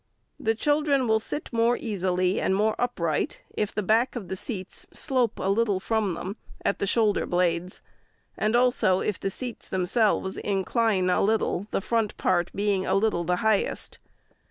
The children will sit more easily and more upright, if the back of the seats slope a little from them, at the shoulder blades ; and also, if the seats them selves incline a little — the front part being a little tho highest.